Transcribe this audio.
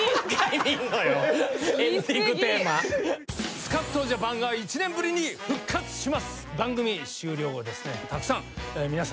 『スカッとジャパン』が１年ぶりに復活します。